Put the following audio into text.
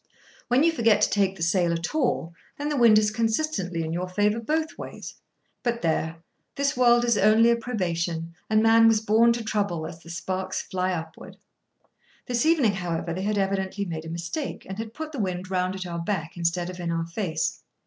When you forget to take the sail at all, then the wind is consistently in your favour both ways. But there! this world is only a probation, and man was born to trouble as the sparks fly upward. This evening, however, they had evidently made a mistake, and had put the wind round at our back instead of in our face.